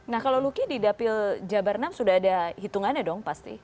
nah kalau luki di dapil jabar enam sudah ada hitungannya dong pasti